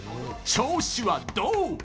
調子はどう？